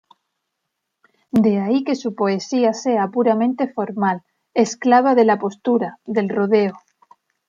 De ahí que su poesía sea puramente formal, esclava de la postura, del rodeo.